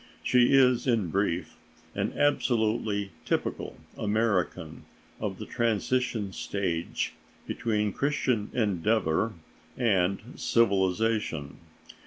She is, in brief, an absolutely typical American of the transition stage between Christian Endeavor and civilization.